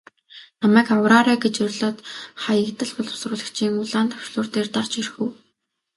Намайг авраарай гэж орилоод Хаягдал боловсруулагчийн улаан товчлуур дээр дарж орхив.